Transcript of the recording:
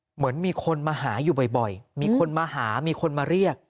เหมือนมีคนมาหาอยู่บ่อยมีคนมาหามีคนมาเรียก